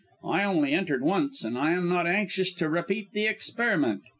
I only entered once, and I am not anxious to repeat the experiment.